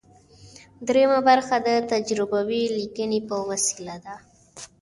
دریمه برخه د تجربوي لیکنې په وسیله ده.